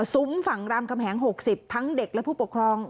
ฝั่งรามคำแหง๖๐ทั้งเด็กและผู้ปกครอง